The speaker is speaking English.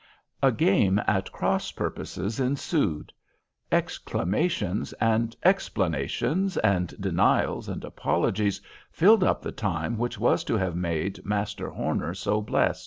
A game at cross purposes ensued; exclamations and explanations, and denials and apologies filled up the time which was to have made Master Horner so blest.